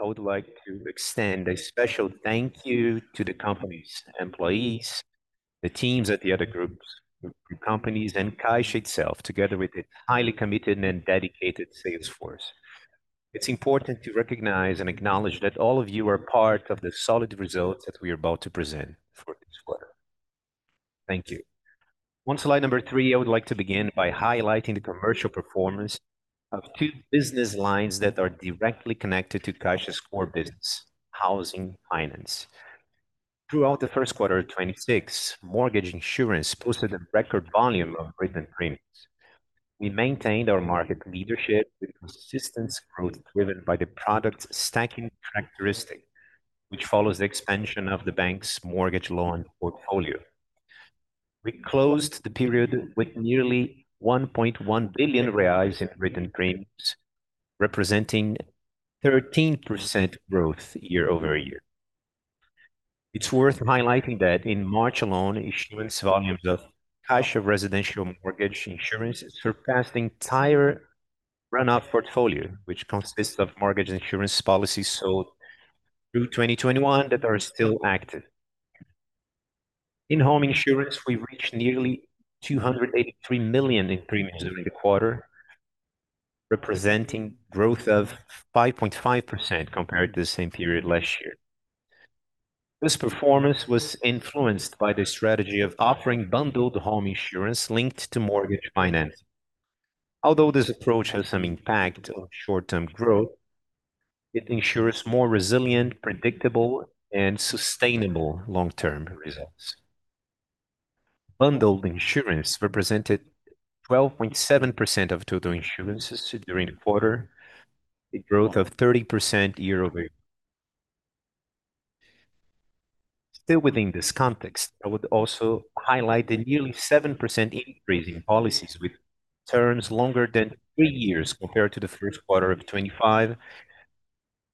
I would like to extend a special thank you to the company's employees, the teams at the other groups, group companies, and Caixa itself, together with its highly committed and dedicated sales force. It's important to recognize and acknowledge that all of you are part of the solid results that we are about to present for this quarter. Thank you. On slide number three, I would like to begin by highlighting the commercial performance of two business lines that are directly connected to Caixa's core business, housing finance. Throughout the first quarter of 2026, mortgage insurance posted a record volume of written premiums. We maintained our market leadership with consistent growth driven by the product's stacking characteristic, which follows the expansion of the bank's mortgage loan portfolio. We closed the period with nearly 1.1 billion reais in written premiums, representing 13% growth year-over-year. It's worth highlighting that in March alone, issuance volumes of Caixa residential mortgage insurance surpassed the entire runoff portfolio, which consists of mortgage insurance policies sold through 2021 that are still active. In home insurance, we reached nearly 283 million in premiums during the quarter, representing growth of 5.5% compared to the same period last year. This performance was influenced by the strategy of offering bundled home insurance linked to mortgage financing. Although this approach has some impact on short-term growth, it ensures more resilient, predictable, and sustainable long-term results. Bundled insurance represented 12.7% of total insurances during the quarter, a growth of 30% year-over-year. Still within this context, I would also highlight the nearly 7% increase in policies with terms longer than three years compared to the first quarter of 2025.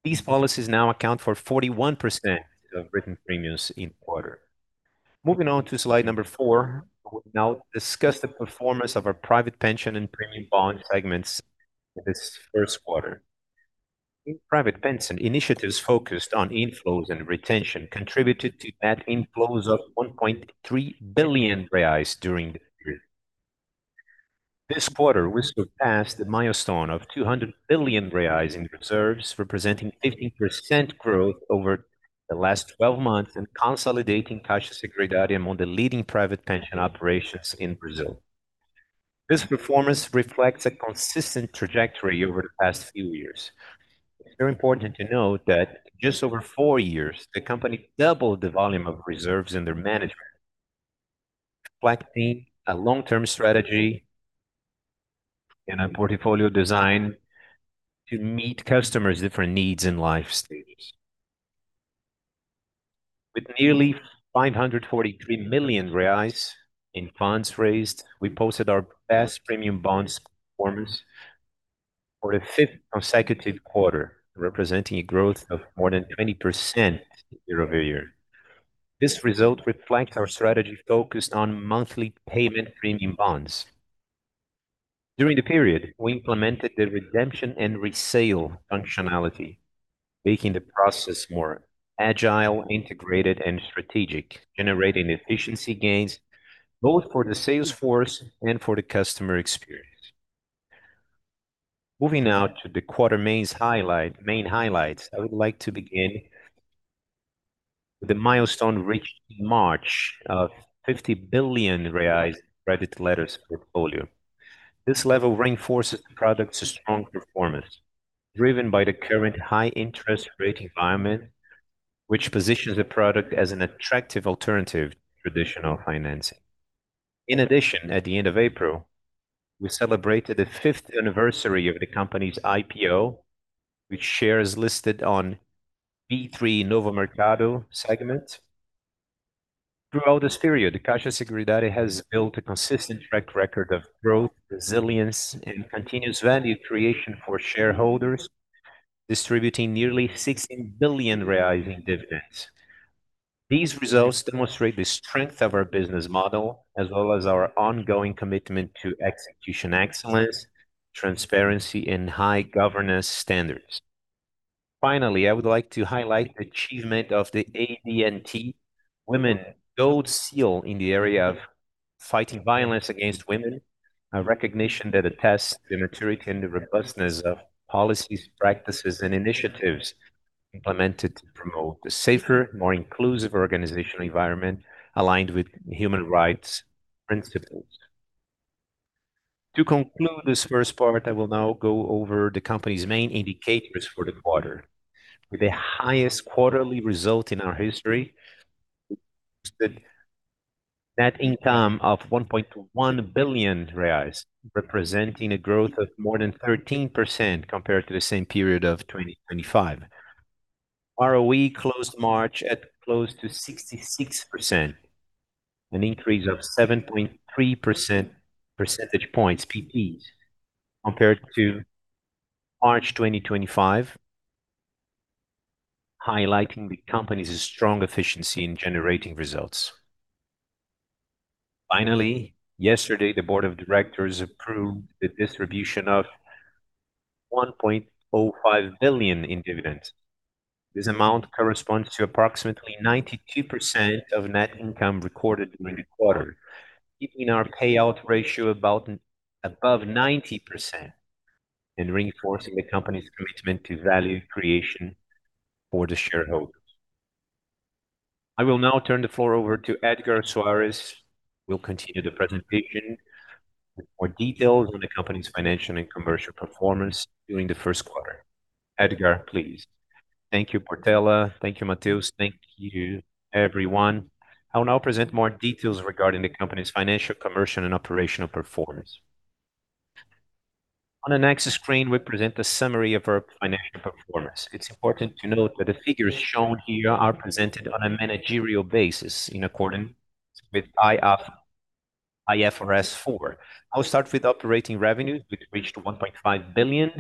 These policies now account for 41% of written premiums in the quarter. Moving on to slide number four, I will now discuss the performance of our private pension and premium bond segments in this first quarter. In private pension, initiatives focused on inflows and retention contributed to net inflows of 1.3 billion reais during the period. This quarter, we surpassed the milestone of 200 billion reais in reserves, representing 15% growth over the last 12 months and consolidating Caixa Seguridade among the leading private pension operations in Brazil. This performance reflects a consistent trajectory over the past few years. It's very important to note that just over four years, the company doubled the volume of reserves under management, reflecting a long-term strategy and a portfolio design to meet customers' different needs and life stages. With nearly 543 million reais in funds raised, we posted our best premium bonds performance for the fifth consecutive quarter, representing a growth of more than 20% year-over-year. This result reflects our strategy focused on monthly payment premium bonds. During the period, we implemented the redemption and resale functionality, making the process more agile, integrated, and strategic, generating efficiency gains both for the sales force and for the customer experience. Moving now to the quarter main highlights, I would like to begin with the milestone reached in March of 50 billion reais credit letters portfolio. This level reinforces the product's strong performance, driven by the current high interest rate environment, which positions the product as an attractive alternative to traditional financing. In addition, at the end of April, we celebrated the fifth anniversary of the company's IPO, with shares listed on B3 Novo Mercado segment. Throughout this period, Caixa Seguridade has built a consistent track record of growth, resilience, and continuous value creation for shareholders, distributing nearly 16 billion reais in dividends. These results demonstrate the strength of our business model as well as our ongoing commitment to execution excellence, transparency, and high governance standards. Finally, I would like to highlight the achievement of the ABNT, women Gold Seal in the area of fighting violence against women (Selo Ouro no Enfrentamento à Violência contra as Mulheres), a recognition that attests to the maturity and the robustness of policies, practices, and initiatives implemented to promote a safer, more inclusive organizational environment aligned with human rights principles. To conclude this first part, I will now go over the company's main indicators for the quarter. With the highest quarterly result in our history, we posted net income of 1.1 billion reais, representing a growth of more than 13% compared to the same period of 2025. ROE closed March at close to 66%, an increase of 7.3 percentage points compared to March 2025, highlighting the company's strong efficiency in generating results. Yesterday, the board of directors approved the distribution of 1.05 billion in dividends. This amount corresponds to approximately 92% of net income recorded during the quarter, keeping our payout ratio above 90% and reinforcing the company's commitment to value creation for the shareholders. I will now turn the floor over to Edgar Soares, who will continue the presentation with more details on the company's financial and commercial performance during the first quarter. Edgar, please. Thank you, Portela. Thank you, Matheus. Thank you, everyone. I will now present more details regarding the company's financial, commercial, and operational performance. On the next screen, we present the summary of our financial performance. It's important to note that the figures shown here are presented on a managerial basis in accordance with IFRS 4. I'll start with operating revenues, which reached 1.5 billion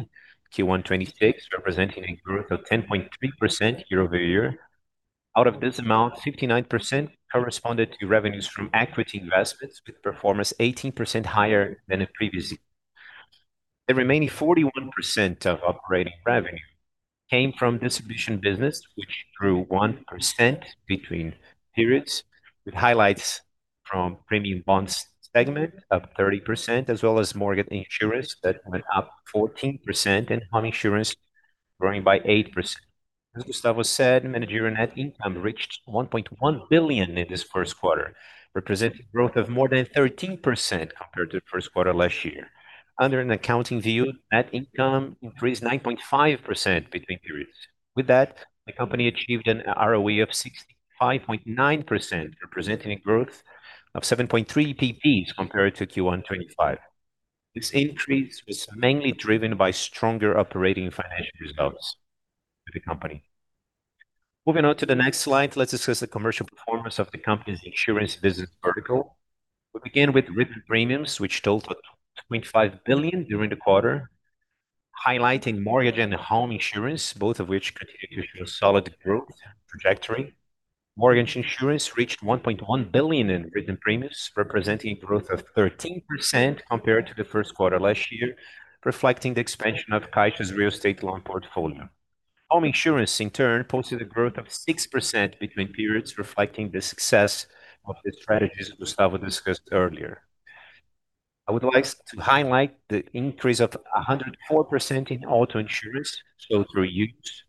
Q1 2026, representing a growth of 10.3% year-over-year. Out of this amount, 59% corresponded to revenues from equity investments with performance 18% higher than the previous year. The remaining 41% of operating revenue came from distribution business, which grew 1% between periods, with highlights from premium bonds segment up 30%, as well as mortgage insurance that went up 14%, and home insurance growing by 8%. As Gustavo said, managerial net income reached 1.1 billion in this first quarter, representing growth of more than 13% compared to the first quarter last year. Under an accounting view, net income increased 9.5% between periods. With that, the company achieved an ROE of 65.9%, representing a growth of 7.3 basis points compared to Q1 2025. This increase was mainly driven by stronger operating financial results for the company. Moving on to the next slide, let's discuss the commercial performance of the company's insurance business vertical. We begin with written premiums, which totaled 2.5 billion during the quarter, highlighting mortgage and home insurance, both of which continue to show solid growth trajectory. Mortgage insurance reached 1.1 billion in written premiums, representing growth of 13% compared to the first quarter last year, reflecting the expansion of Caixa's real estate loan portfolio. Home insurance, in turn, posted a growth of 6% between periods, reflecting the success of the strategies Gustavo discussed earlier. I would like to highlight the increase of 104% in auto insurance sold through Youse.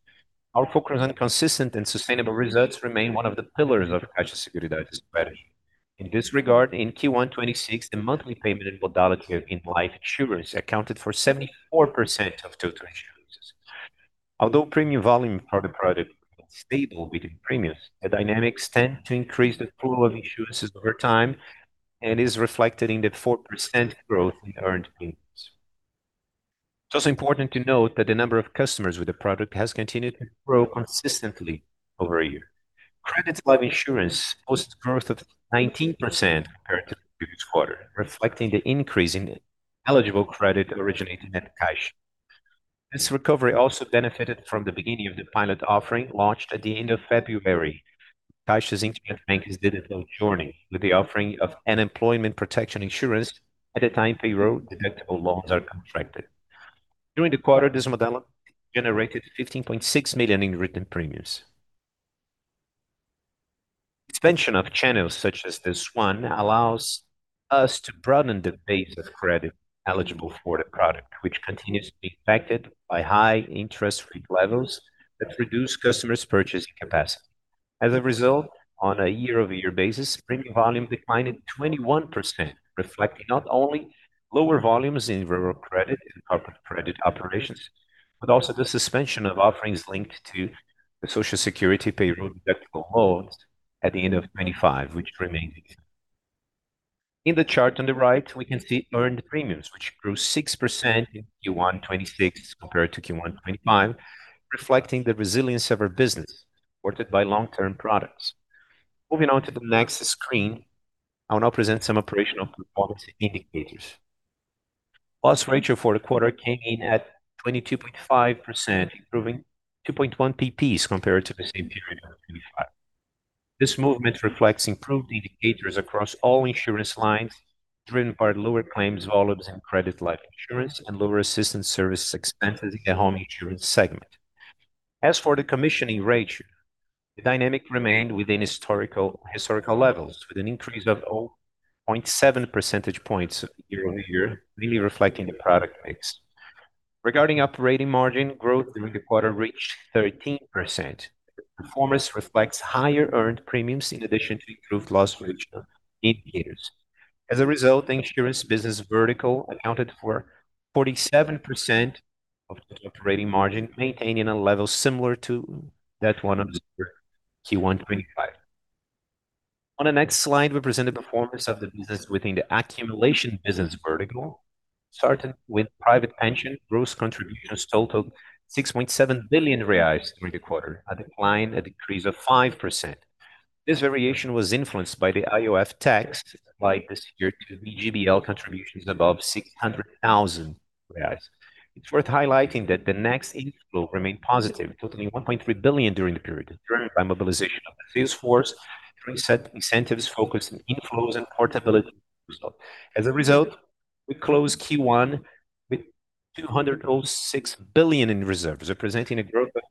Our focus on consistent and sustainable results remain one of the pillars of Caixa Seguridade's strategy. In this regard, in Q1 2026, the monthly payment and modality in life insurance accounted for 74% of total insurances. Although premium volume for the product remained stable between premiums, the dynamics tend to increase the pool of insurances over time and is reflected in the 4% growth in earned premiums. It's also important to note that the number of customers with the product has continued to grow consistently over a year. Credit life insurance posted growth of 19% compared to the previous quarter, reflecting the increase in eligible credit originated at Caixa. This recovery also benefited from the beginning of the pilot offering launched at the end of February with Caixa's internet bank's digital journey, with the offering of unemployment protection insurance at the time payroll-deductible loans are contracted. During the quarter, this model generated 15.6 million in written premiums. Expansion of channels such as this one allows us to broaden the base of credit eligible for the product, which continues to be impacted by high interest rate levels that reduce customers' purchasing capacity. As a result, on a year-over-year basis, premium volume declined at 21%, reflecting not only lower volumes in rural credit and corporate credit operations, but also the suspension of offerings linked to the Social Security payroll-deductible loans at the end of 2025, which remained this year. In the chart on the right, we can see earned premiums, which grew 6% in Q1 2026 compared to Q1 2025, reflecting the resilience of our business supported by long-term products. Moving on to the next screen, I will now present some operational performance indicators. Loss ratio for the quarter came in at 22.5%, improving 2.1 basis points compared to the same period of 2025. This movement reflects improved indicators across all insurance lines, driven by lower claims volumes in credit life insurance and lower assistance service expenses in the home insurance segment. As for the commissioning ratio, the dynamic remained within historical levels with an increase of 0.7 percentage points year-over-year, really reflecting the product mix. Regarding operating margin, growth during the quarter reached 13%. The performance reflects higher earned premiums in addition to improved loss ratio indicators. As a result, the insurance business vertical accounted for 47% of total operating margin, maintaining a level similar to that one observed in Q1 2025. On the next slide, we present the performance of the business within the accumulation business vertical. Starting with private pension, gross contributions totaled 6.7 billion reais during the quarter, a decrease of 5%. This variation was influenced by the IOF tax applied this year to PGBL contributions above 600,000 reais. It's worth highlighting that the next inflow remained positive, totaling 1.3 billion during the period, driven by mobilization of the sales force, increased incentives focused on inflows and portability. As a result, we closed Q1 with 206 billion in reserves, representing a growth of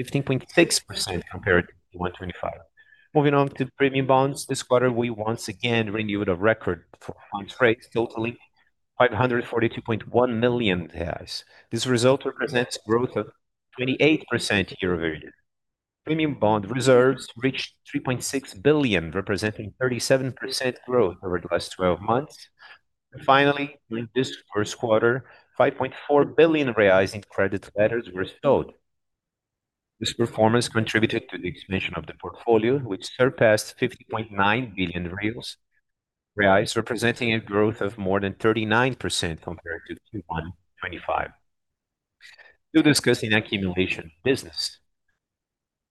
15.6% compared to Q1 2025. Moving on to premium bonds, this quarter we once again renewed a record for bonds raised, totaling 542.1 million reais. This result represents growth of 28% year-over-year. Premium bond reserves reached 3.6 billion, representing 37% growth over the last 12 months. Finally, during this first quarter, 5.4 billion reais in credit letters were sold. This performance contributed to the expansion of the portfolio, which surpassed 50.9 billion reais, representing a growth of more than 39% compared to Q1 2025. Still discussing accumulation business.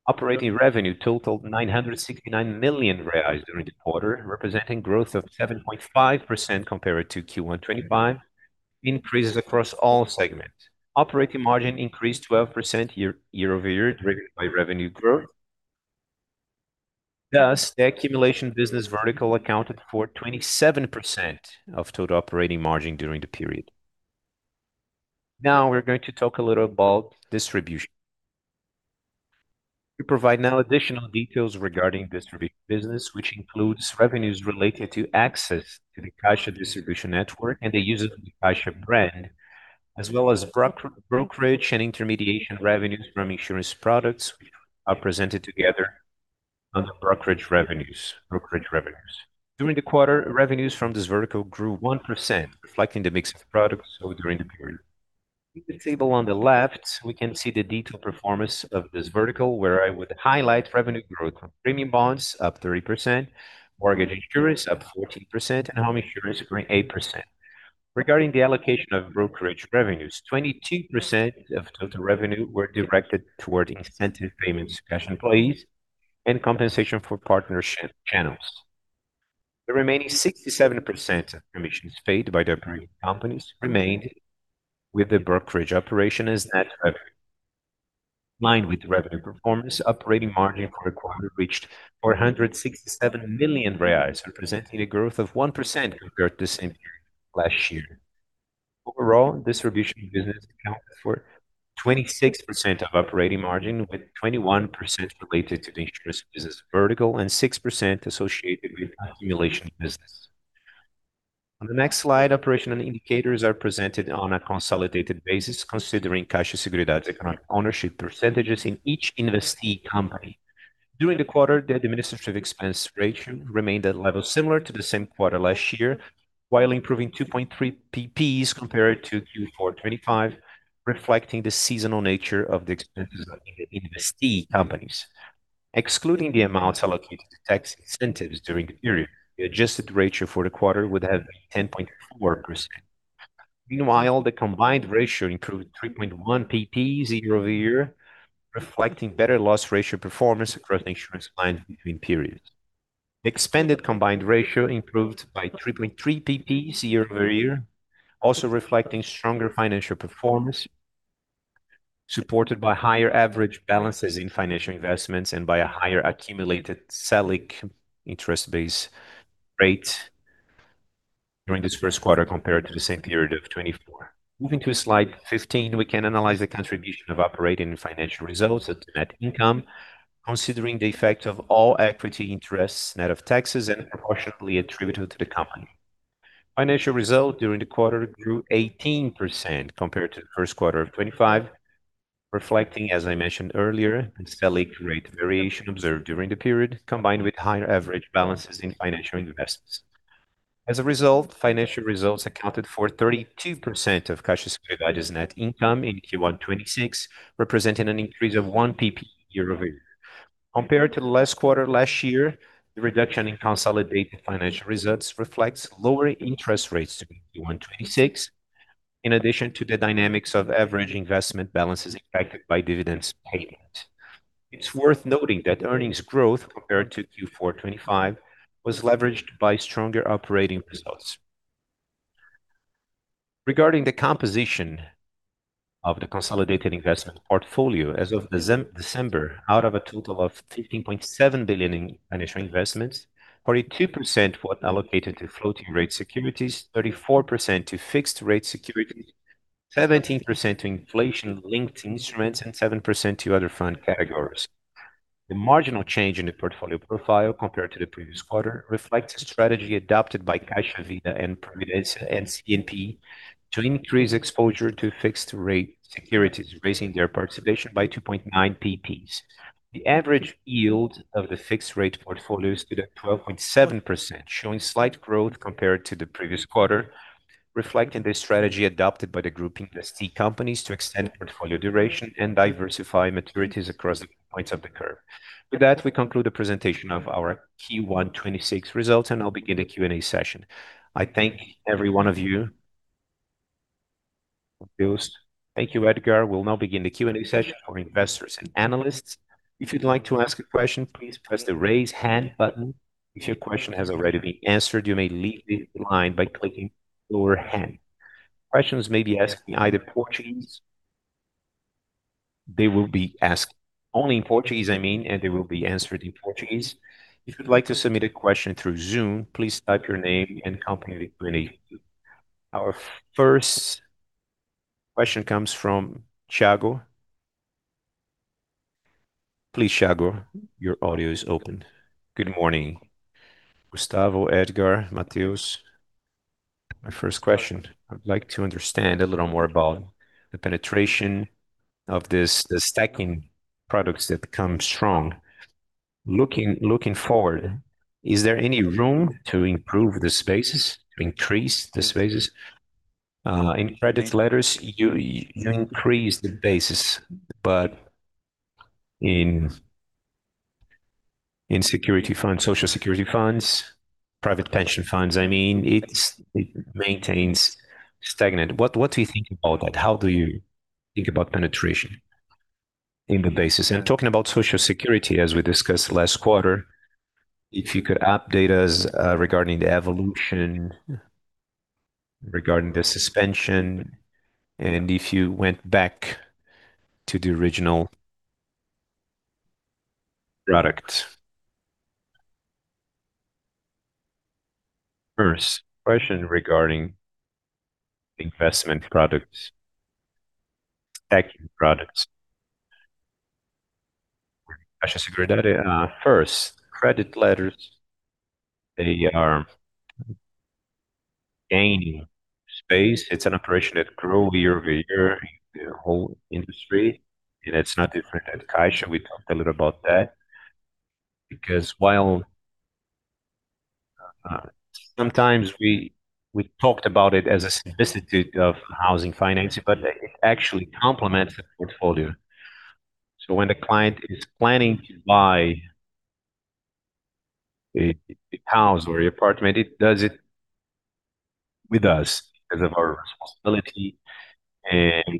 Operating revenue totaled 969 million reais during the quarter, representing growth of 7.5% compared to Q1 2025, increases across all segments. Operating margin increased 12% year-over-year, driven by revenue growth. The accumulation business vertical accounted for 27% of total operating margin during the period. Now we're going to talk a little about distribution. We provide now additional details regarding distribution business, which includes revenues related to access to the Caixa distribution network and the use of the Caixa brand, as well as brokerage and intermediation revenues from insurance products, which are presented together under brokerage revenues. During the quarter, revenues from this vertical grew 1%, reflecting the mix of products sold during the period. In the table on the left, we can see the detailed performance of this vertical, where I would highlight revenue growth from premium bonds up 30%, mortgage insurance up 14%, and home insurance growing 8%. Regarding the allocation of brokerage revenues, 22% of total revenue were directed toward incentive payments to Caixa employees and compensation for partnership channels. The remaining 67% of commissions paid by the operating companies remained with the brokerage operation as net revenue. In line with revenue performance, operating margin for the quarter reached 467 million reais, representing a growth of 1% compared to the same period last year. Overall, distribution business accounted for 26% of operating margin, with 21% related to the insurance business vertical and 6% associated with accumulation business. On the next slide, operational indicators are presented on a consolidated basis considering Caixa Seguridade's economic ownership percentages in each investee company. During the quarter, the administrative expense ratio remained at levels similar to the same quarter last year, while improving 2.3 basis points compared to Q4 2025, reflecting the seasonal nature of the expenses in the investee companies. Excluding the amounts allocated to tax incentives during the period, the adjusted ratio for the quarter would have been 10.4%. Meanwhile, the combined ratio improved 3.1 basis points year-over-year, reflecting better loss ratio performance across the insurance lines between periods. The expanded combined ratio improved by 3.3 basis points year-over-year, also reflecting stronger financial performance, supported by higher average balances in financial investments and by a higher accumulated Selic interest base rate during this first quarter compared to the same period of 2024. Moving to slide 15, we can analyze the contribution of operating and financial results into net income, considering the effect of all equity interests net of taxes and proportionately attributed to the company. Financial result during the quarter grew 18% compared to the first quarter of 2025, reflecting, as I mentioned earlier, the Selic rate variation observed during the period, combined with higher average balances in financial investments. As a result, financial results accounted for 32% of Caixa Seguridade's net income in Q1 2026, representing an increase of 1 basis point year-over-year. Compared to the last quarter last year, the reduction in consolidated financial results reflects lower interest rates during Q1 2026, in addition to the dynamics of average investment balances impacted by dividends payment. It's worth noting that earnings growth compared to Q4 2025 was leveraged by stronger operating results. Regarding the composition of the consolidated investment portfolio as of December, out of a total of 15.7 billion in financial investments, 42% were allocated to floating rate securities, 34% to fixed rate securities, 17% to inflation-linked instruments, and 7% to other fund categories. The marginal change in the portfolio profile compared to the previous quarter reflects a strategy adopted by Caixa Vida e Previdência and CNP to increase exposure to fixed rate securities, raising their participation by 2.9 basis points. The average yield of the fixed rate portfolio stood at 12.7%, showing slight growth compared to the previous quarter, reflecting the strategy adopted by the group investee companies to extend portfolio duration and diversify maturities across the points of the curve. With that, we conclude the presentation of our Q1 2026 results, and I'll begin the Q&A session. I thank every one of you. Thank you, Edgar. We'll now begin the Q&A session for investors and analysts. If you'd like to ask a question, please press the Raise Hand button. If your question has already been answered, you may leave the line by clicking Lower Hand. Questions may be asked in either Portuguese. They will be asked only in Portuguese, I mean, and they will be answered in Portuguese. If you'd like to submit a question through Zoom, please type your name and company in the Q&A. Our first question comes from Tiago. Please, Tiago, your audio is open. Good morning, Gustavo, Edgar, Matheus. My first question, I'd like to understand a little more about the penetration of this, the stacking products that come strong. Looking forward, is there any room to improve the spaces, to increase the spaces? In credit letters, you increase the basis, but in security funds, Social Security funds, private pension funds, I mean, it maintains stagnant. What do you think about that? How do you think about penetration in the basis? Talking about Social Security, as we discussed last quarter, if you could update us regarding the evolution, regarding the suspension, and if you went back to the original product. First question regarding investment products, stacking products. Actually, first, credit letters, they are gaining space. It's an operation that grow year-over-year in the whole industry, and it's not different at Caixa. We talked a little about that because while sometimes we talked about it as a substitute of housing financing, but it actually complements the portfolio. When the client is planning to buy a house or apartment, it does it with us because of our responsibility and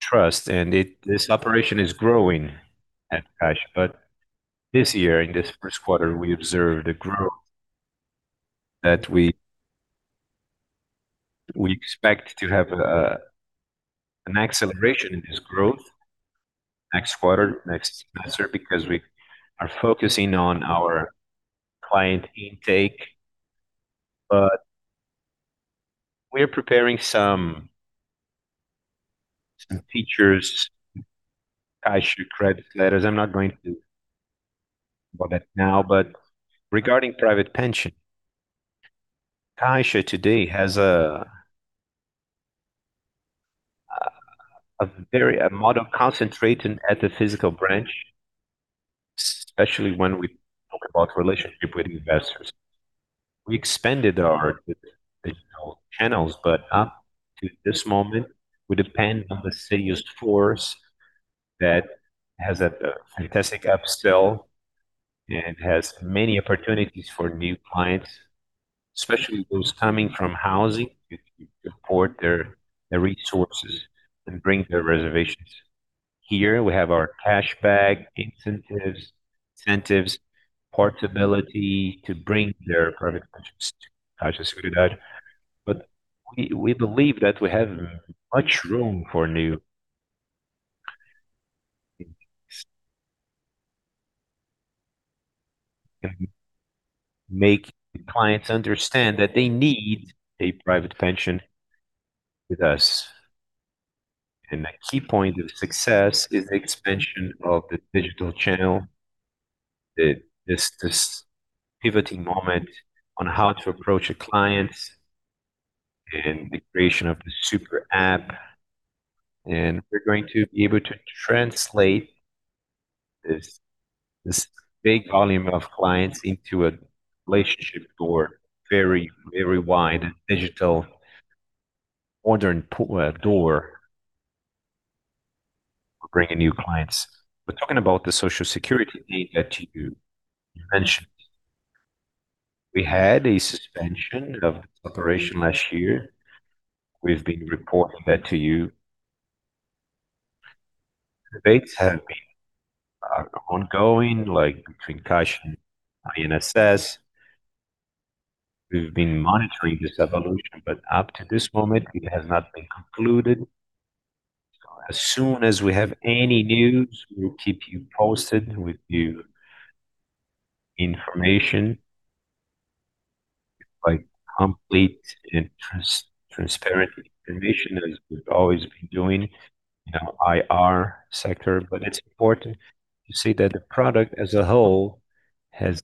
trust. This operation is growing at Caixa. This year, in this first quarter, we observed a growth that we expect to have an acceleration in this growth next quarter, next semester, because we are focusing on our client intake. We are preparing some features, Caixa credit letters. I'm not going to go that now. Regarding private pension, Caixa today has a very concentrated model at the physical branch, especially when we talk about relationship with investors. We expanded our digital channels, up to this moment, we depend on the sales force that has a fantastic upsell and has many opportunities for new clients, especially those coming from housing. If you import their resources and bring their reservations. Here we have our cashback incentives, portability to bring their private pensions to Caixa Seguridade. We believe that we have much room for new increase. Make clients understand that they need a private pension with us. The key point of success is the expansion of the digital channel, this pivoting moment on how to approach a client and the creation of the Super App. We're going to be able to translate this big volume of clients into a relationship door, very wide digital modern door for bringing new clients. Talking about the Social Security need that you mentioned, we had a suspension of operation last year. We've been reporting that to you. Debates are ongoing, like between Caixa and INSS. We've been monitoring this evolution, but up to this moment it has not been concluded. As soon as we have any news, we'll keep you posted with new information, like complete and transparent information as we've always been doing in our IR sector. It's important to say that the product as a whole has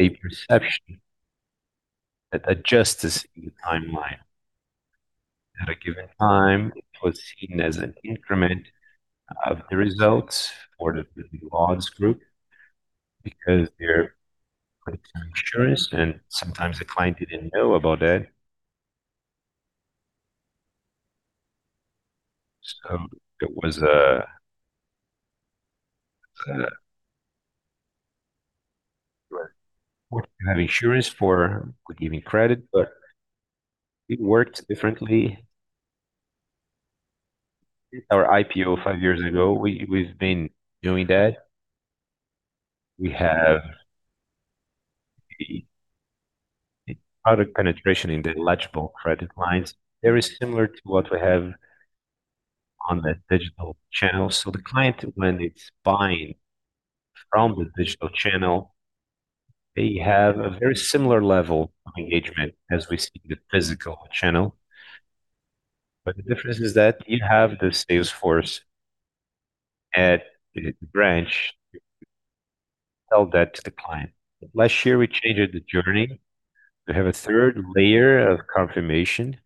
a perception that adjusts in the timeline. At a given time, it was seen as an increment of the results for the new loans booked because they require insurance, and sometimes the client didn't know about that. You have insurance for giving credit, but it works differently. Our IPO five years ago, we've been doing that. We have the product penetration in the eligible credit lines very similar to what we have on that digital channel. The client, when it's buying from the digital channel, they have a very similar level of engagement as we see in the physical channel. The difference is that you have the sales force at the branch to sell that to the client. Last year, we changed the journey to have a third layer of confirmation.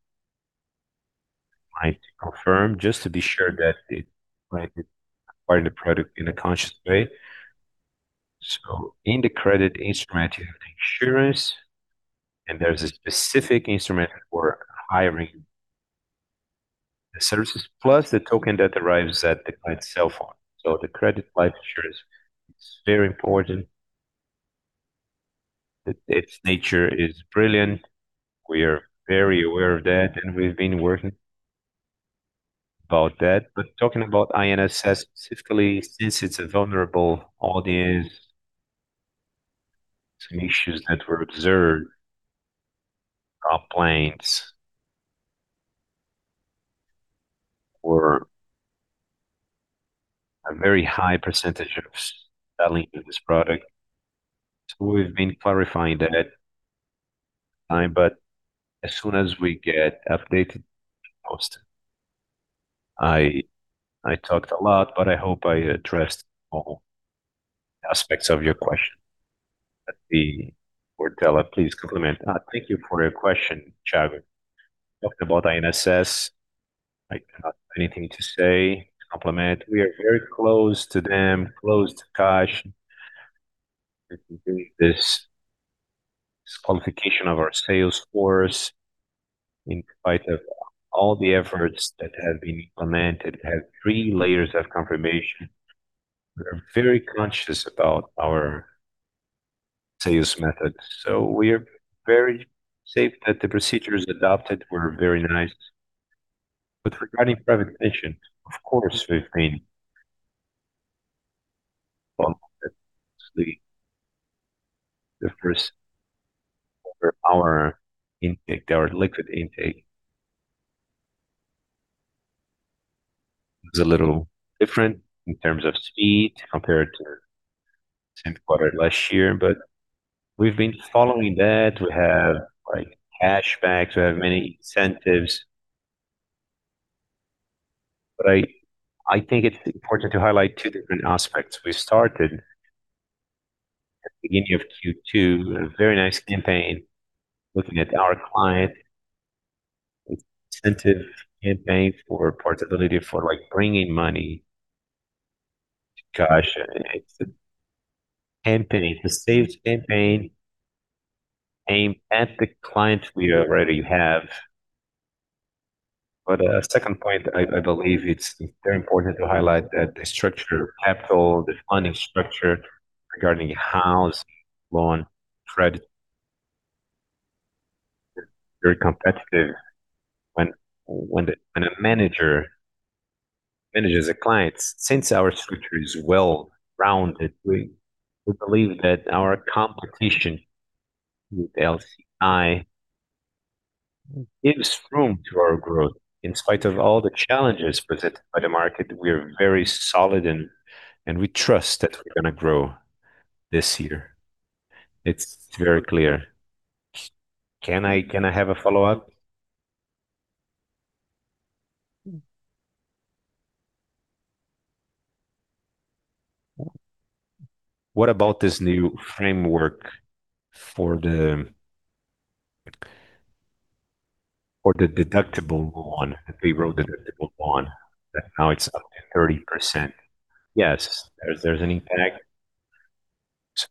Client confirm just to be sure that the client is buying the product in a conscious way. In the credit instrument, you have the insurance, and there's a specific instrument for hiring the services, plus the token that arrives at the client's cell phone. The credit life insurance is very important. Its nature is brilliant. We are very aware of that, and we've been working about that. Talking about INSS specifically, since it's a vulnerable audience, some issues that were observed, complaints were a very high % of selling to this product. We've been clarifying that time, but as soon as we get updated, we post it. I talked a lot, but I hope I addressed all aspects of your question. Let the board tell us, please compliment. Thank you for your question, Tiago. Talked about INSS. I got anything to say to compliment. We are very close to them, close to Caixa. We're doing this qualification of our sales force in spite of all the efforts that have been implemented, have three layers of confirmation. We are very conscious about our sales methods. We are very safe that the procedures adopted were very nice. Regarding presentation, of course, we've been the first for our intake, our liquid intake is a little different in terms of speed compared to same quarter last year. We've been following that. We have like cashbacks, we have many incentives. I think it's important to highlight two different aspects. We started at beginning of Q2, a very nice campaign looking at our client incentive campaign for portability, for like bringing money. Gosh, it's a campaign, the sales campaign aimed at the clients we already have. A second point, I believe it's very important to highlight that the structure of capital, the funding structure regarding house, loan, credit is very competitive. When a manager manages the clients, since our structure is well-rounded, we believe that our competition with LCI gives room to our growth. In spite of all the challenges presented by the market, we are very solid and we trust that we're going to grow this year. It's very clear. Can I have a follow-up? What about this new framework for the deductible loan, the payroll deductible loan that now it's up to 30%? Yes, there's an impact.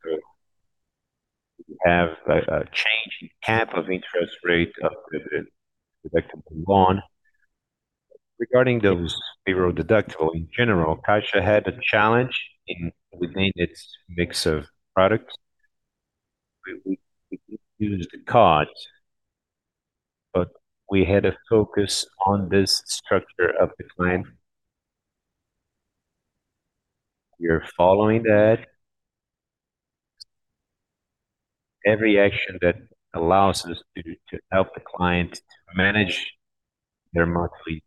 We have a change in cap of interest rate of the deductible loan. Regarding those payroll deductible in general, Caixa had a challenge in maintaining its mix of products. We could use the cards, we had a focus on this structure of the client. We are following that. Every action that allows us to help the client manage their monthly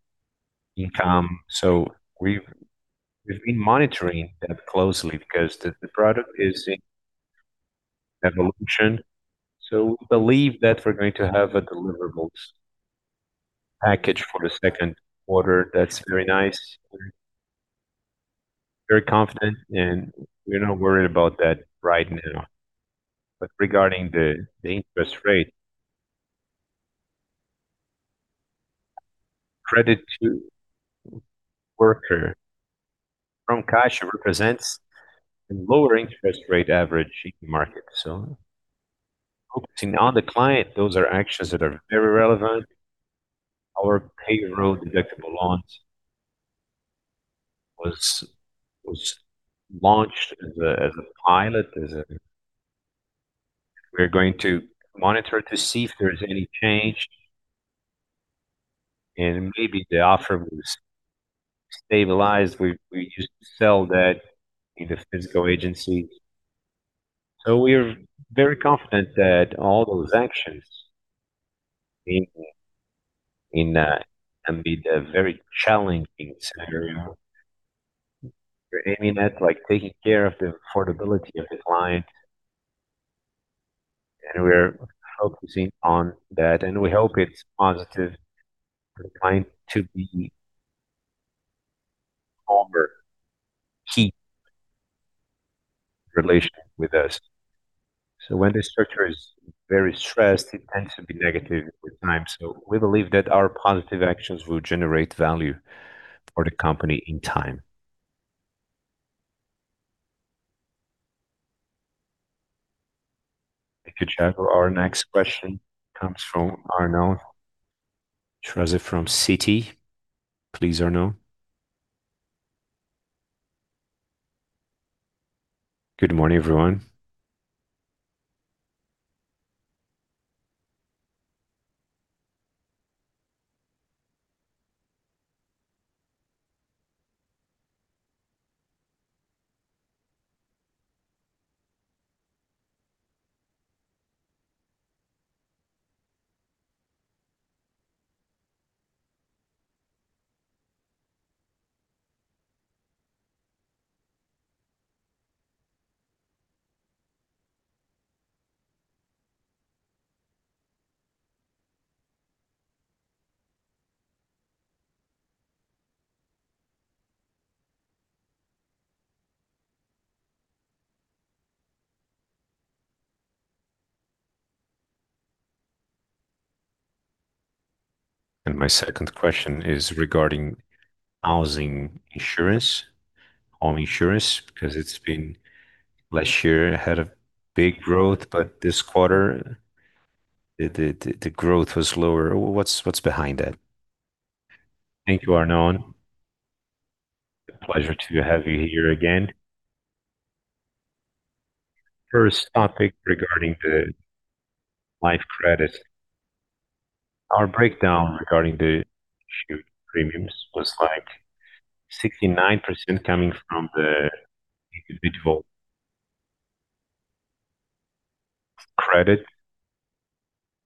income. We've been monitoring that closely because the product is in evolution. We believe that we're going to have a deliverables package for the second quarter that's very nice. Very confident, we're not worried about that right now. Regarding the interest rate, credit to worker from Caixa represents a lower interest rate average in market. Focusing on the client, those are actions that are very relevant. Our payroll deductible loans was launched as a pilot. We're going to monitor to see if there's any change. Maybe the offer will stabilize. We used to sell that in the physical agencies. We're very confident that all those actions amid a very challenging scenario, we're aiming at like taking care of the affordability of the client, and we're focusing on that, and we hope it's positive for the client to be longer keep relationship with us. When the structure is very stressed, it tends to be negative over time. We believe that our positive actions will generate value for the company in time. Thank you, Tiago. Our next question comes from Arnon Shirazi from Citigroup. Please, Arnon. Good morning, everyone. My second question is regarding housing insurance, home insurance, because last year had a big growth, but this quarter the growth was lower. What's behind that? Thank you, Arnon. Pleasure to have you here again. First topic regarding the life credit. Our breakdown regarding the issued premiums was like 69% coming from the individual credit.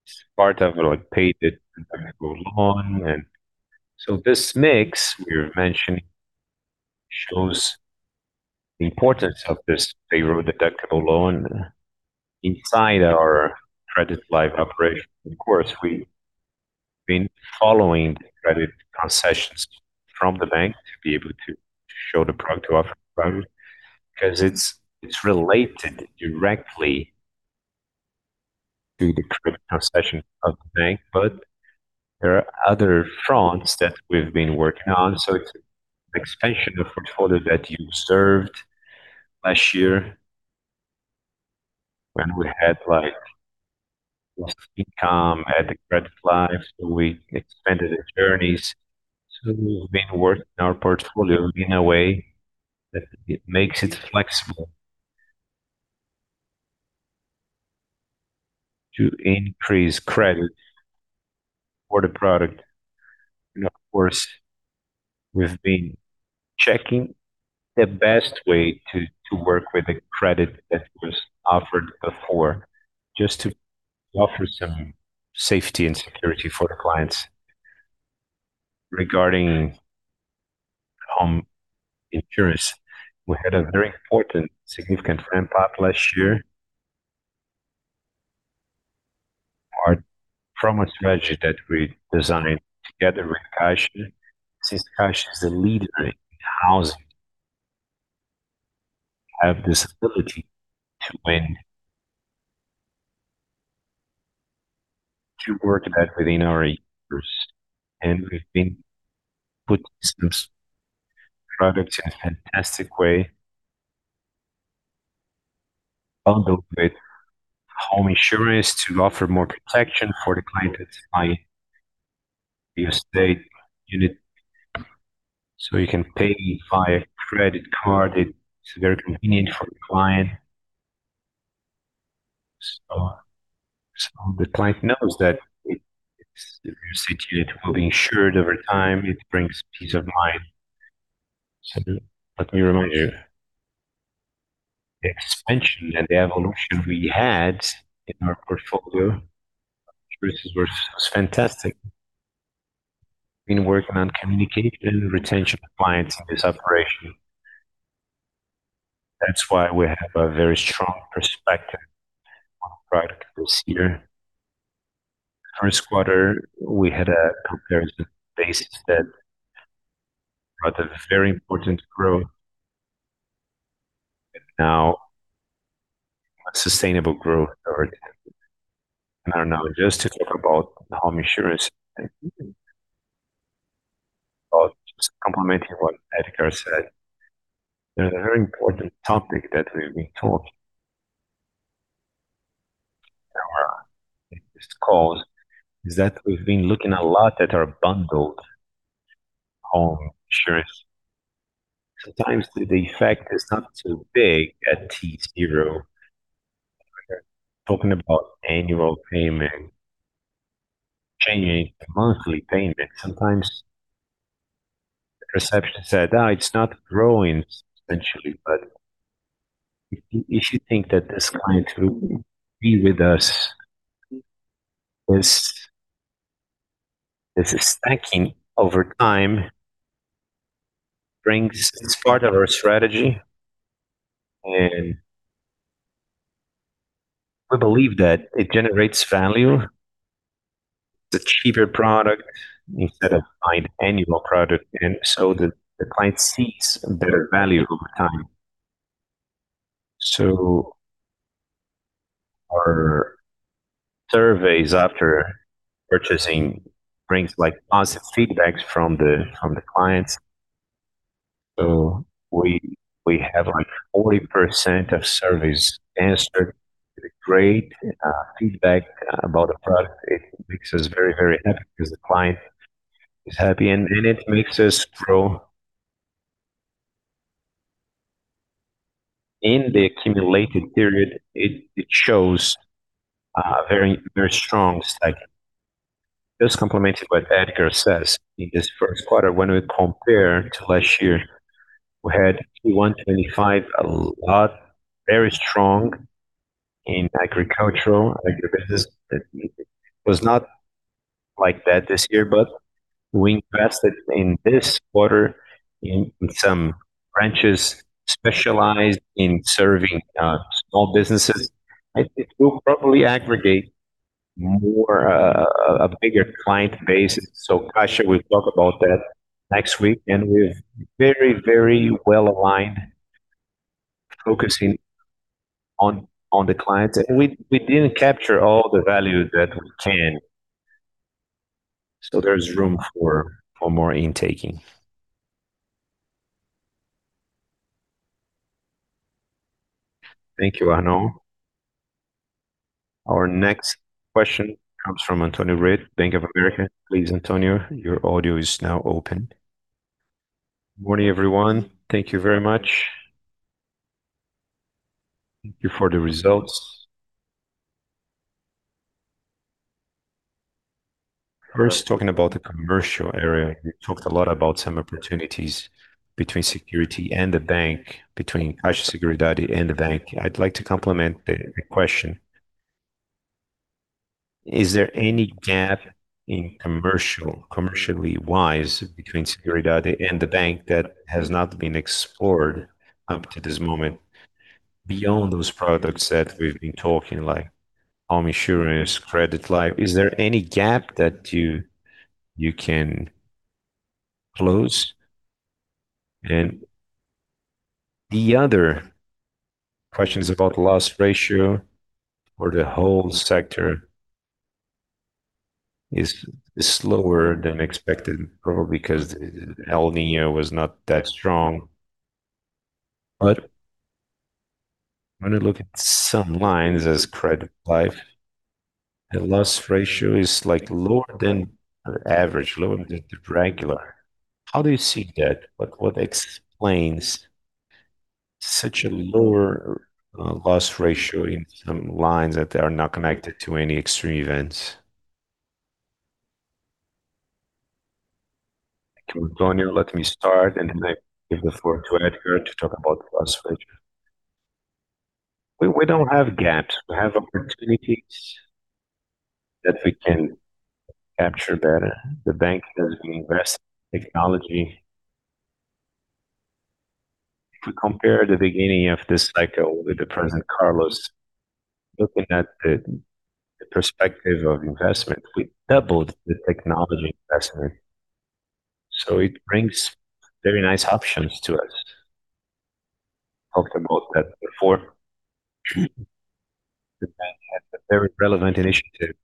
It's part of paid the deductible loan. This mix we're mentioning shows the importance of this payroll-deductible loan inside our credit life operation. Of course, we've been following the credit concessions from the bank to be able to show the product to offer value because it's related directly to the credit concession of the bank. There are other fronts that we've been working on. It's an expansion of portfolio that you observed last year when we had lost income at the credit life. We expanded the journeys. We've been working our portfolio in a way that it makes it flexible to increase credit for the product. Of course, we've been checking the best way to work with the credit that was offered before, just to offer some safety and security for the clients. Regarding home insurance, we had a very important significant ramp-up last year. From a strategy that we designed together with Caixa. Since Caixa is a leader in housing, have this ability to win, to work that within our reach. We've been putting these products in a fantastic way, bundle with home insurance to offer more protection for the client that's buying real estate unit. You can pay via credit card. It's very convenient for the client. The client knows that the real estate unit will be insured over time. It brings peace of mind. Let me remind you, the expansion and the evolution we had in our portfolio, which was fantastic. We've been working on communicating and retention of clients in this operation. That's why we have a very strong perspective on product this year. First quarter, we had a comparison base that brought a very important growth. Now a sustainable growth trajectory. Arnon, just to talk about the home insurance and just complementing what Edgar said. There's a very important topic that we've been talking calls is that we've been looking a lot at our bundled home insurance. Sometimes the effect is not too big at T-Zero. We're talking about annual payment, changing the monthly payment. Sometimes the perception said, "It's not growing," essentially. If you think that this client will be with us, this is stacking over time. It's part of our strategy, and we believe that it generates value. It's a cheaper product instead of buying annual product, the client sees better value over time. Our surveys after purchasing brings like positive feedbacks from the clients. We have like 40% of surveys answered with a great feedback about the product. It makes us very happy because the client is happy and it makes us grow. In the accumulated period, it shows a very strong stacking. Just complemented what Edgar says. In this first quarter when we compare to last year, we had Q1 2025 a lot very strong in agricultural agribusiness. It was not like that this year, we invested in this quarter in some branches specialized in serving small businesses. I think we'll probably aggregate more a bigger client base. Caixa will talk about that next week, and we're very, very well-aligned focusing on the clients. We didn't capture all the value that we can, so there's room for more intaking. Thank you, Arnon. Our next question comes from Antonio Ruette, Bank of America. Please, Antonio, your audio is now open. Morning, everyone. Thank you very much. Thank you for the results. First, talking about the commercial area, you talked a lot about some opportunities between Seguridade and the bank, between Caixa Seguridade and the bank. I'd like to complement the question. Is there any gap in commercial, commercially wise between Seguridade and the bank that has not been explored up to this moment beyond those products that we've been talking like home insurance, credit life? Is there any gap that you can close? The other question is about loss ratio for the whole sector is slower than expected, probably 'cause El Niño was not that strong. When you look at some lines as credit life, the loss ratio is like lower than average, lower than the regular. How do you see that? Like, what explains such a lower loss ratio in some lines that are not connected to any extreme events? Thank you, Antonio. Let me start, then I give the floor to Edgar to talk about loss ratio. We don't have gaps. We have opportunities that we can capture better. The bank has been investing in technology. If we compare the beginning of this cycle with President Carlos, looking at the perspective of investment, we doubled the technology investment. It brings very nice options to us. We talked about that before. The bank has a very relevant initiative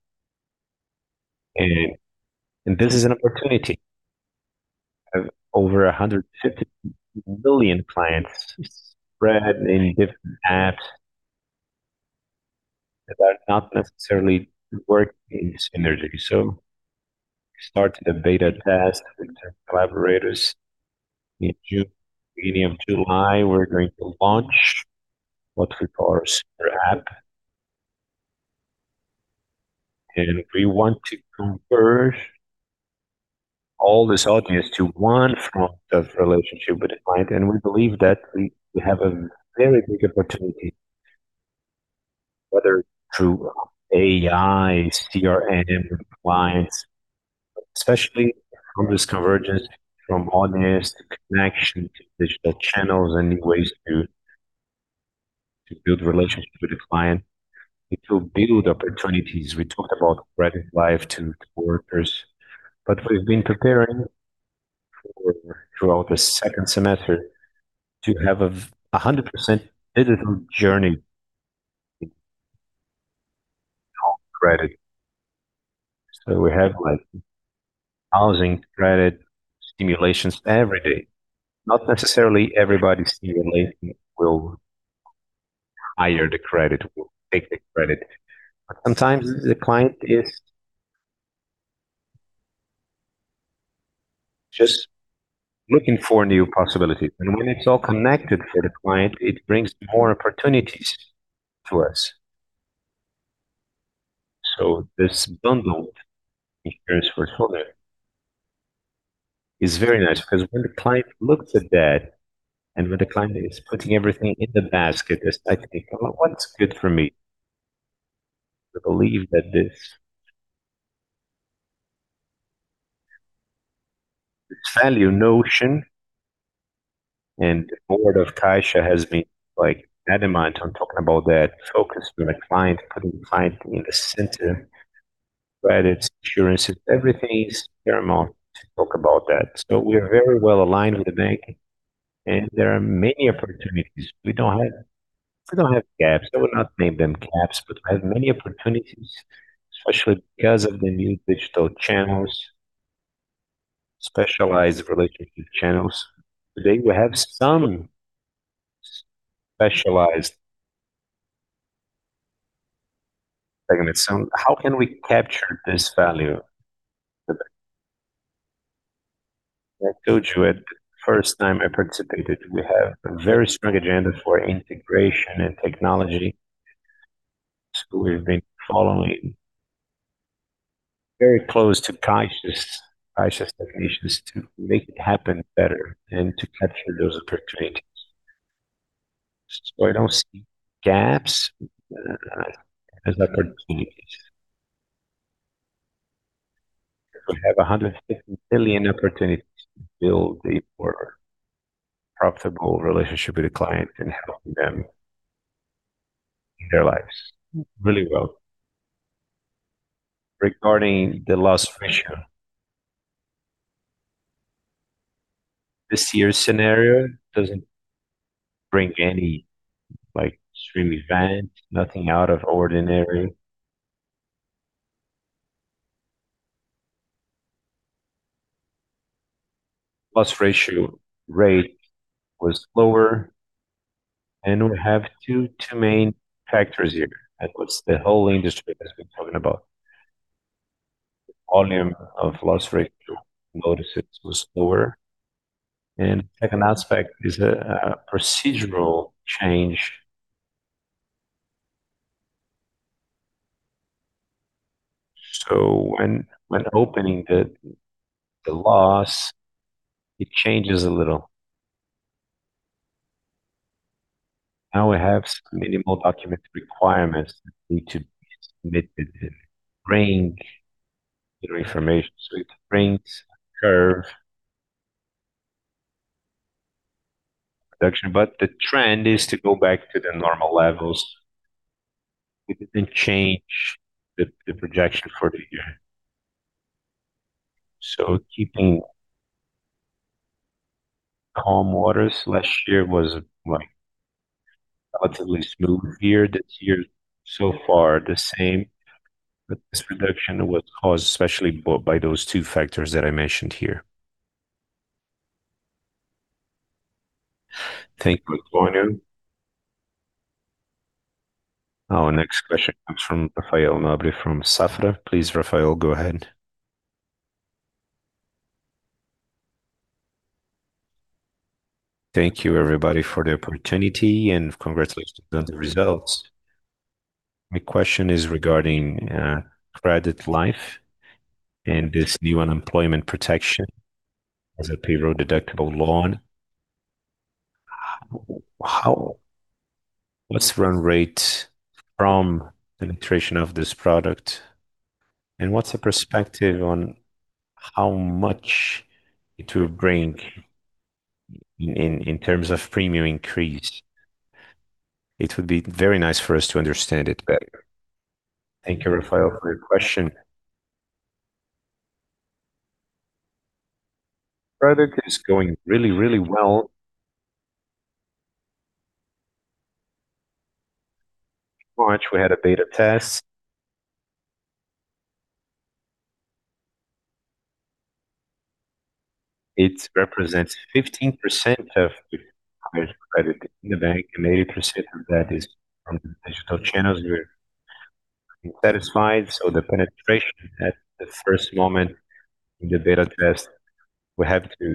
and this is an opportunity. We have over 150 million clients spread in different apps that are not necessarily working in synergy. We started a beta test with some collaborators in June. Medium July, we're going to launch what we call Super App. We want to converge all this audience to 1 front of relationship with the client, and we believe that we have a very big opportunity, whether through AI, CRM with clients, especially from this convergence from audience to connection to digital channels and new ways to build relationship with the client. It will build opportunities. We talked about credit life to workers, but we've been preparing for throughout the second semester to have a 100% digital journey in all credit. We have like housing credit stimulations every day. Not necessarily everybody stimulating the credit will take the credit. Sometimes the client is just looking for new possibilities, and when it's all connected for the client, it brings more opportunities to us. This bundle insurance for holder is very nice because when the client looks at that, and when the client is putting everything in the basket, they start to think, "Well, what's good for me?" I believe that this value notion and the board of Caixa has been like that in mind on talking about that focus on the client, putting the client in the center. Credit, insurance, everything is paramount to talk about that. We're very well-aligned with the bank, and there are many opportunities. We don't have gaps. I would not name them gaps, but we have many opportunities, especially because of the new digital channels, specialized relationship channels. Today, we have some specialized segments. How can we capture this value? I told you at first time I participated, we have a very strong agenda for integration and technology. We've been following very close to Caixa's definitions to make it happen better and to capture those opportunities. I don't see gaps as opportunities. We have 150 billion opportunities to build a more profitable relationship with the client and helping them in their lives really well. Regarding the loss ratio, this year's scenario doesn't bring any like extreme event, nothing out of ordinary. Loss ratio rate was lower, and we have two main factors here, and what's the whole industry has been talking about. Volume of loss ratio notices was lower, and second aspect is a procedural change. When opening the loss, it changes a little. We have minimal document requirements. We need to submit the range of information, it brings a curve reduction. The trend is to go back to the normal levels. We didn't change the projection for the year. Keeping calm waters last year was like relatively smooth year. This year so far the same, this reduction was caused especially by those two factors that I mentioned here. Thank you Antonio. Our next question comes from Rafael Rehder from Safra. Please, Rafael, go ahead. Thank you, everybody, for the opportunity, congratulations on the results. My question is regarding credit life and this new unemployment protection as a payroll-deductible loan. What's run rate from the penetration of this product, what's the perspective on how much it will bring in terms of premium increase? It would be very nice for us to understand it better. Thank you, Rafael, for your question. Product is going really, really well. In March, we had a beta test. It represents 15% of the acquired credit in the bank, and 80% of that is from the digital channels. We're satisfied. The penetration at the first moment in the beta test, we have to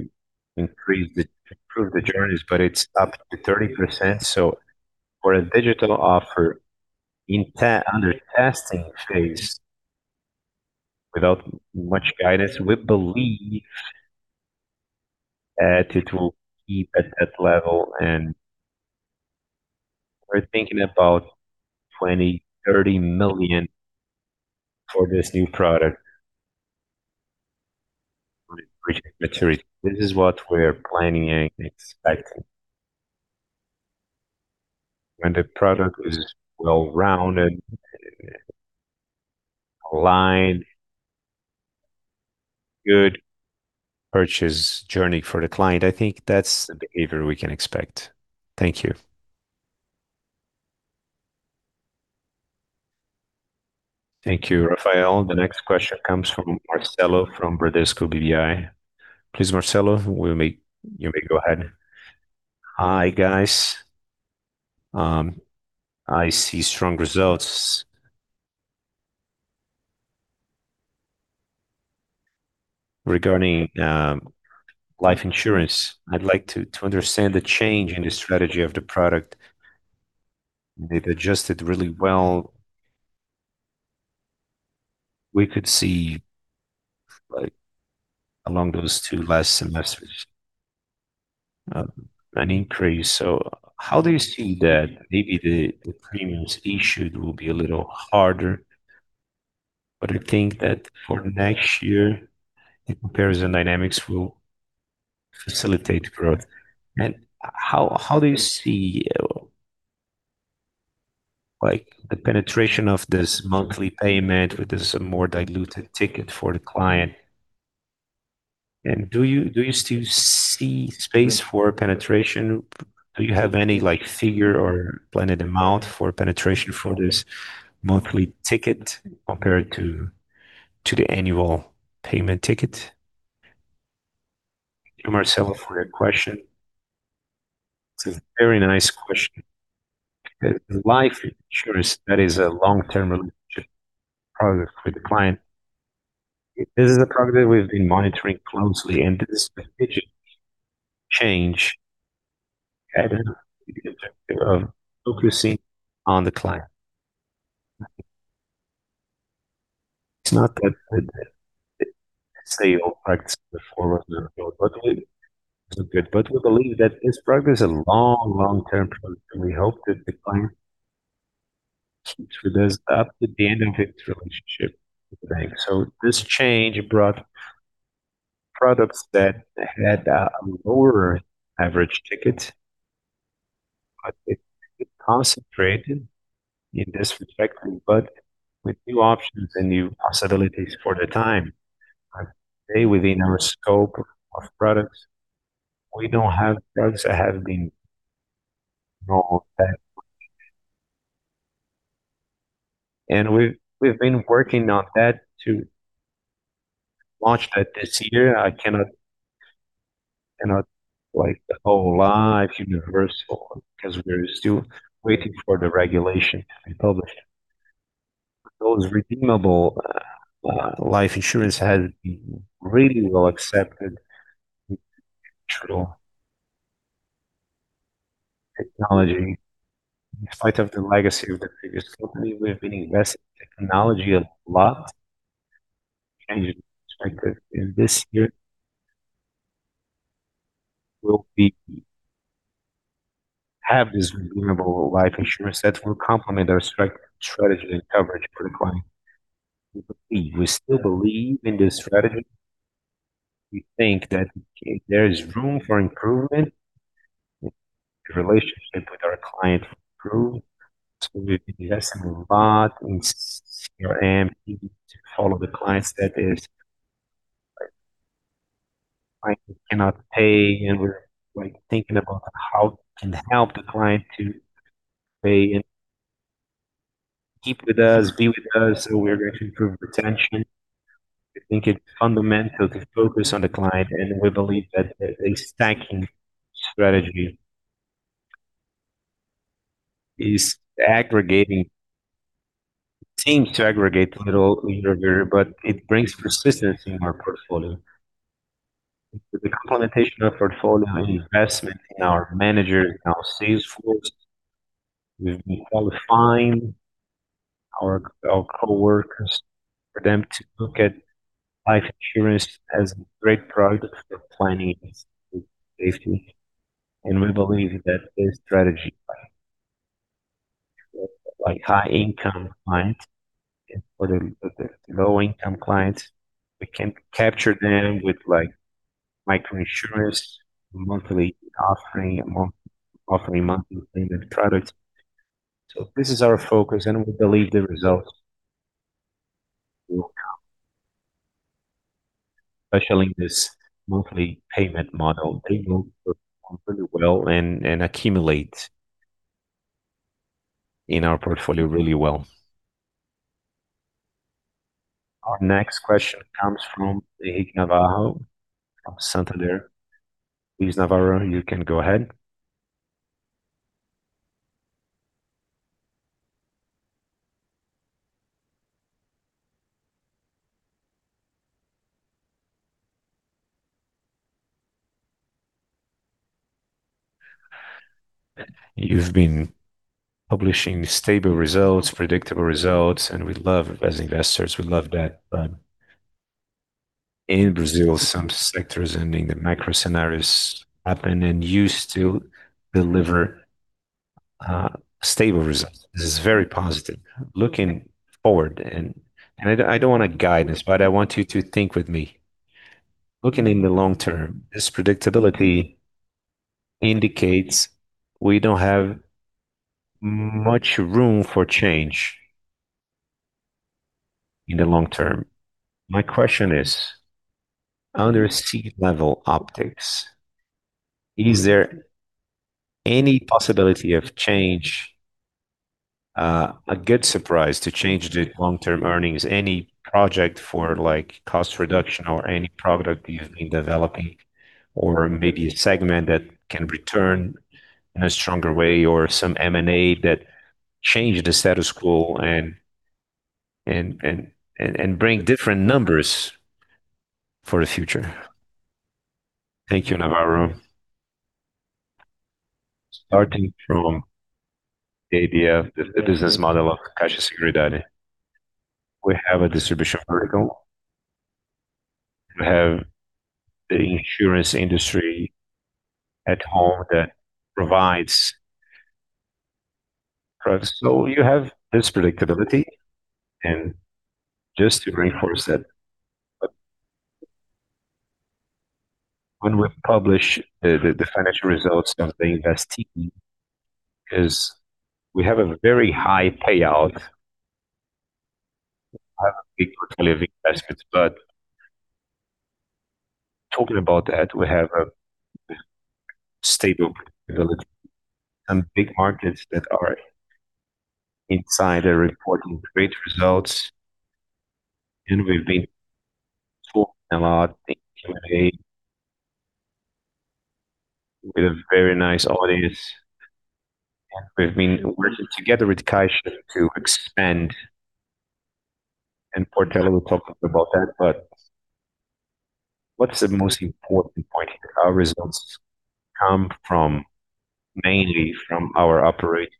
improve the journeys, but it's up to 30%. For a digital offer under testing phase without much guidance, we believe that it will keep at that level, and we're thinking about 20 million-30 million for this new product. This is what we're planning and expecting. When the product is well-rounded and aligned, good purchase journey for the client, I think that's the behavior we can expect. Thank you. Thank you, Rafael. The next question comes from Marcelo from Banco Bradesco BBI. Please, Marcelo, you may go ahead. Hi, guys. I see strong results regarding life insurance. I'd like to understand the change in the strategy of the product. They've adjusted really well. We could see, like along those two last semesters, an increase. How do you see that maybe the premiums issued will be a little harder? I think that for next year, the comparison dynamics will facilitate growth. How do you see, like the penetration of this monthly payment with this more diluted ticket for the client? Do you still see space for penetration? Do you have any like figure or planned amount for penetration for this monthly ticket compared to the annual payment ticket? Thank you, Marcelo, for your question. It's a very nice question. Life insurance, that is a long-term relationship product with the client. This is a product that we've been monitoring closely, and this change have been focusing on the client. It's not that I'd say all products before was not good, but was good. We believe that this product is a long-term product, and we hope that the client keeps with us up to the end of his relationship with the bank. This change brought products that had a lower average ticket, but it concentrated in this respect, but with new options and new possibilities for the time. Today, within our scope of products, we don't have products that have been We've been working on that to launch that this year. I cannot like the whole life universal because we're still waiting for the regulation to be published. Those redeemable life insurance has been really well accepted through technology. In spite of the legacy of the previous company, we've been investing in technology a lot. In this year we'll have this redeemable life insurance that will complement our strategy and coverage for the client. We still believe in this strategy. We think that there is room for improvement in the relationship with our client to improve. We've been investing a lot in CRM to follow the clients that is, like, client cannot pay, and we're, like thinking about how we can help the client to pay and keep with us, be with us, so we're going to improve retention. I think it's fundamental to focus on the client, and we believe that a stacking strategy seems to aggregate a little here or there, but it brings persistence in our portfolio. The implementation of portfolio and investment in our managers and our sales force, we've been qualifying our coworkers for them to look at life insurance as a great product for planning safety. We believe that this strategy by high-income clients and for the low-income clients, we can capture them with like micro-insurance, monthly offering monthly payment products. This is our focus, and we believe the results will come. Especially in this monthly payment model, they will work out really well and accumulate in our portfolio really well. Our next question comes from Henrique Navarro of Santander. Please, Navarro, you can go ahead. You've been publishing stable results, predictable results, and as investors, we love that. In Brazil, some sectors and in the macro scenarios happen and you still deliver stable results. This is very positive. Looking forward, I don't want a guidance, I want you to think with me. Looking in the long term, this predictability indicates we don't have much room for change in the long term. My question is, under C-level optics, is there any possibility of change, a good surprise to change the long-term earnings? Any project for like cost reduction or any product you have been developing, or maybe a segment that can return in a stronger way or some M&A that change the status quo and bring different numbers for the future? Thank you, Navarro. Starting from the idea of the business model of Caixa Seguridade. We have a distribution vertical. We have the insurance industry at home that provides products. You have this predictability. Just to reinforce that, when we publish the financial results of the ST is we have a very high payout. I don't think we're delivering aspects, but talking about that, we have a stable ability. Some big markets that are inside are reporting great results, and we've been talking a lot in M&A with a very nice audience. We've been working together with Caixa to expand, and Portela will talk about that. What's the most important point here? Our results come mainly from our operating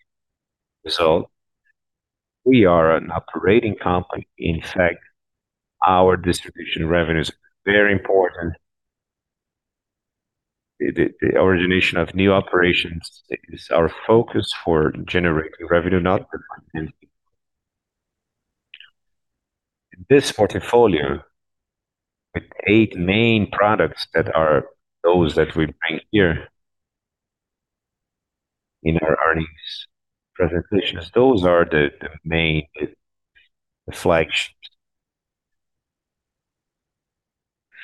result. We are an operating company. In fact, our distribution revenue is very important. The origination of new operations is our focus for generating revenue, not the funding. This portfolio with eight main products that are those that we bring here in our earnings presentations, those are the main flagships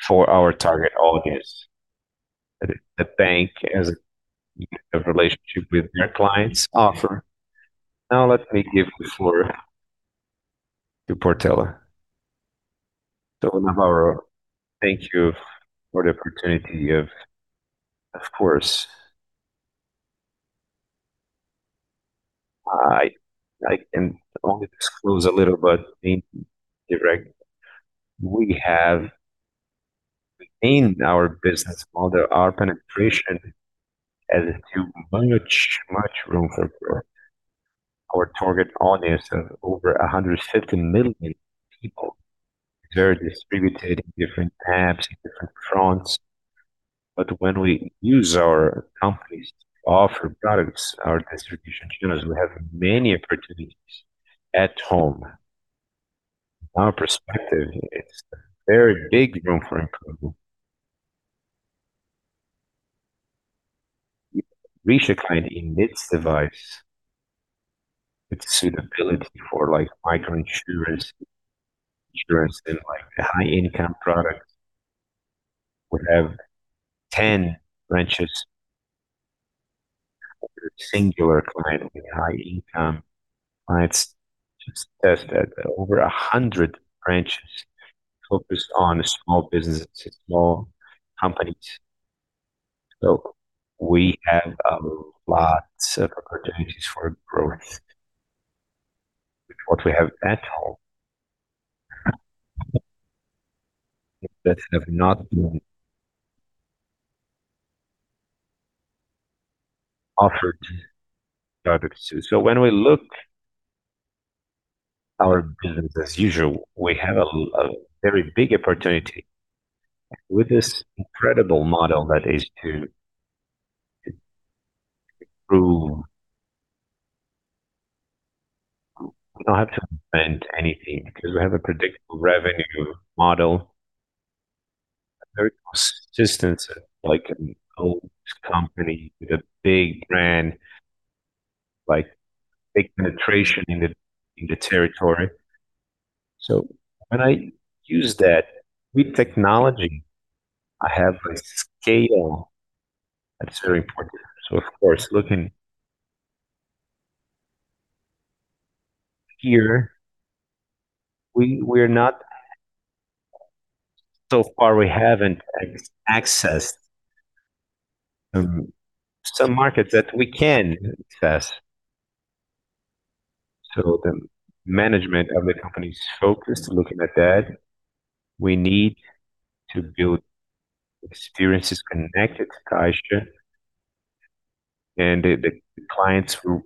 for our target audience. The bank has a relationship with their clients offer. Let me give the floor to Portela. Navarro, thank you for the opportunity of course. I can only disclose a little bit in direct. We have within our business model, our penetration has too much room for growth. Our target audience of over 150 million people. They're distributed in different tabs, in different fronts. When we use our companies to offer products, our distribution channels, we have many opportunities at home. Our perspective, it's very big room for improvement. Each client in this device with suitability for like micro-insurance, insurance in like high income products would have 10 branches. Singular client with high income clients. Just as over 100 branches focused on small businesses, small companies. We have a lot of opportunities for growth with what we have at home that have not been offered products to. When we look our business as usual, we have a very big opportunity with this incredible model that is to improve. We don't have to invent anything because we have a predictable revenue model. Very close assistance like an old company with a big brand, like big penetration in the territory. When I use that with technology, I have a scale that is very important. Of course, looking here, so far we haven't accessed some markets that we can access. The management of the company is focused looking at that. We need to build experiences connected to Caixa and the clients who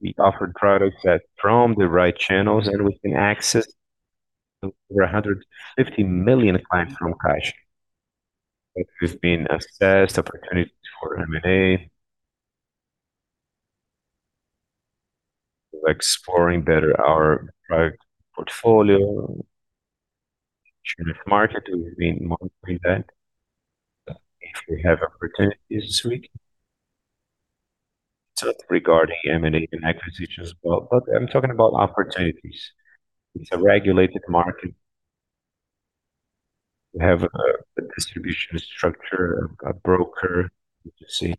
we offer products at from the right channels, and we can access over 150 million clients from Caixa. It has been assessed opportunities for M&A. Exploring better our product portfolio. Insurance market, we've been monitoring that. Regarding M&A and acquisitions as well, but I'm talking about opportunities. It's a regulated market. We have a distribution structure, a broker. You see.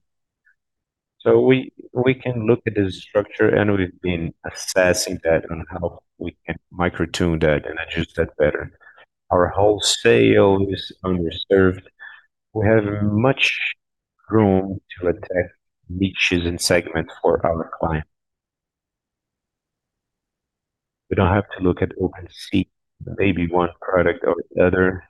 We can look at the structure, and we've been assessing that on how we can micro-tune that and adjust that better. Our wholesale is underserved. We have much room to attack niches and segments for our clients. We don't have to look at open market, maybe one product or the other.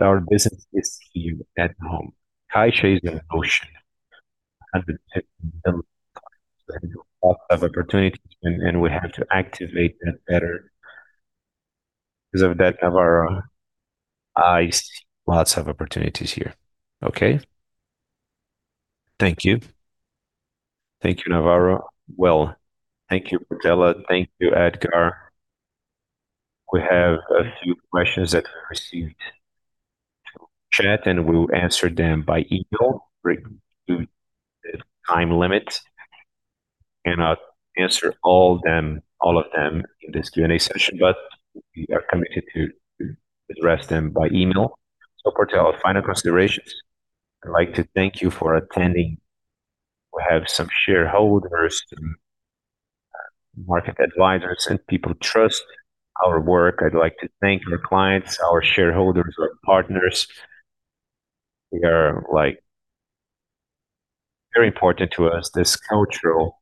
Our business is huge at home. Caixa is an ocean. Lots of opportunities, and we have to activate that better. Because of that, Navarro, I see lots of opportunities here. Okay? Thank you. Thank you, Navarro. Well, thank you, Portela. Thank you, Edgar. We have a few questions that we received chat, and we'll answer them by email due to the time limit. Cannot answer all of them in this Q&A session, but we are committed to address them by email. Portela, final considerations. I'd like to thank you for attending. We have some shareholders, some market advisors, and people trust our work. I'd like to thank our clients, our shareholders, our partners. We are like very important to us, this cultural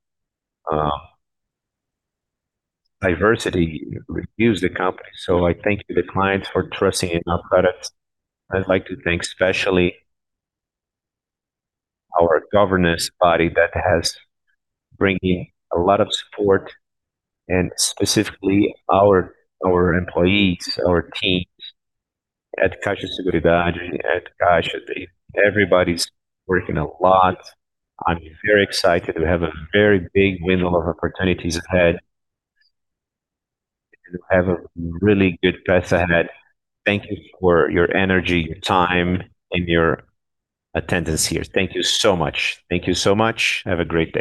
diversity reviews the company. I thank the clients for trusting in our products. I'd like to thank especially our governance body that has bringing a lot of support and specifically our employees, our teams at Caixa Seguridade and Caixa Bank. Everybody's working a lot. I'm very excited. We have a very big window of opportunities ahead, and we have a really good path ahead. Thank you for your energy, your time, and your attendance here. Thank you so much. Thank you so much. Have a great day.